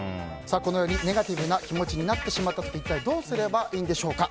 ネガティブな気持ちになってしまった時一体どうすればいいんでしょうか。